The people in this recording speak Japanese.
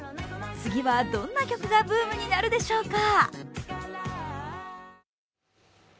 次はどんな曲がブームになるでしょうか。